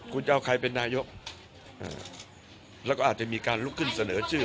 คุณจะเอาใครเป็นนายกแล้วก็อาจจะมีการลุกขึ้นเสนอชื่อ